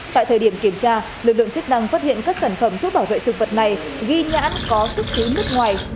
tại thời điểm kiểm tra lực lượng chức năng phát hiện các sản phẩm thuốc bảo vệ thực vật này ghi nhãn có xuất xứ nước ngoài